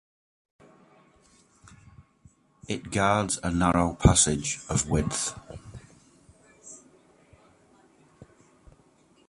It guards a narrow passage of width.